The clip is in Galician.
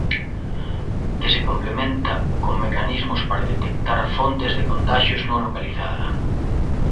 Que se complementa con mecanismos para detectar fontes de contaxios non localizada.